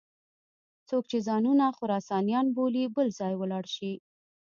څوک چې ځانونه خراسانیان بولي بل ځای ولاړ شي.